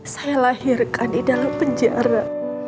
saya lahirkan di dalam penjara